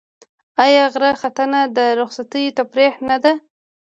آیا غره ختنه د رخصتیو تفریح نه ده؟